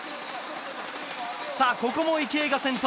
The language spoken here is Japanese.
ここも池江が先頭。